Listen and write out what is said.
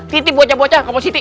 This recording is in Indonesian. titip bocah bocah ke mpositi